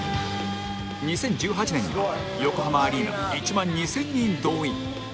２０１８年には横浜アリーナ１万２０００人動員